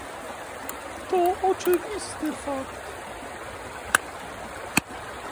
to oczywisty fakt